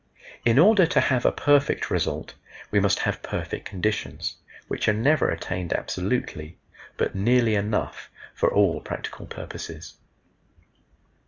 In order to have a perfect result we must have perfect conditions, which are never attained absolutely, but nearly enough for all practical purposes.